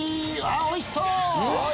おいしそう！